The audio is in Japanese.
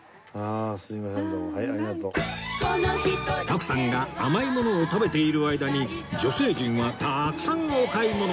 徳さんが甘いものを食べている間に女性陣はたくさんお買い物